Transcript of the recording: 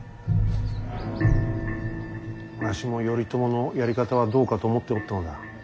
わしも頼朝のやり方はどうかと思っておったのだ。